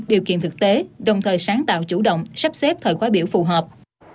điều kiện thực tế đồng thời sáng tạo chủ động sắp xếp thời khóa biểu phù hợp